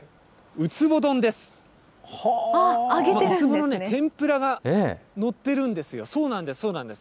ウツボの天ぷらが載ってるんですよ。